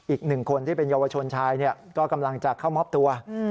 อีกหนึ่งคนที่เป็นเยาวชนชายก็กำลังจะเข้ามอบตัว